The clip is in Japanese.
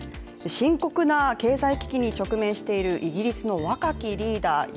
深刻な経済危機に直面しているイギリスの若きリーダー